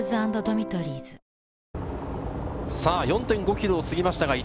東芝４．５ｋｍを過ぎました。